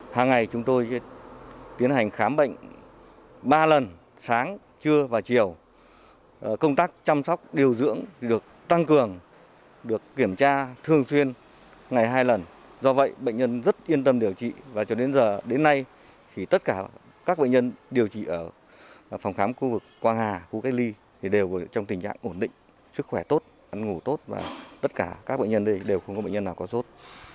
phòng khám đa khoa khu vực quang hà khu cách ly đều trong tình trạng ổn định sức khỏe tốt ăn ngủ tốt và tất cả các bệnh nhân đều không có bệnh nhân nào có sốt